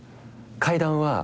階段は。